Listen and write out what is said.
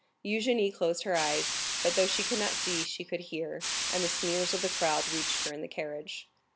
Eugénie closed her eyes; but though she could not see, she could hear, and the sneers of the crowd reached her in the carriage.